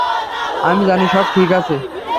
আমি জানি, সব ঠিক আছে।